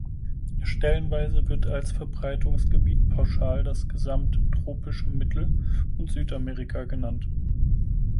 Stellenweise wird als Verbreitungsgebiet pauschal das gesamte tropische Mittel- und Südamerika genannt.